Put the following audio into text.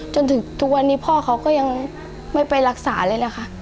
จนถึงทุกวันนี้พ่อเขาก็ยังไม่ไปรักษาเลยแหละค่ะ